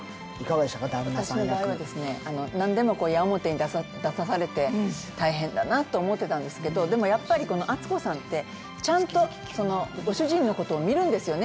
私の場合はですね、何でも矢面に立たされて大変だなって思ってたんですけど、でもやっぱり篤子さんはちゃんとご主人のことを見るんですよね。